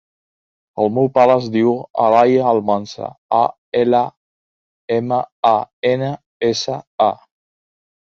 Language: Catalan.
El meu pare es diu Aray Almansa: a, ela, ema, a, ena, essa, a.